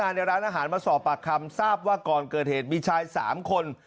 ในร้านอาหารมาสอบปากคำทราบว่าก่อนเกิดเหตุมีชาย๓คน